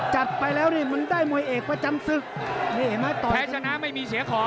จัดไปแล้วนี่มันได้มวยเอกประจำศึกแพ้ชนะไม่มีเสียของ